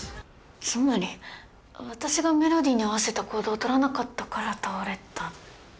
つまり私がメロディーに合わせた行動をとらなかったから倒れたということですか？